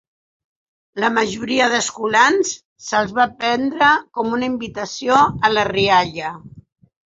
La majoria d'escolans se'ls van prendre com una invitació a la rialla.